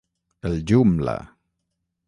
El Joomla!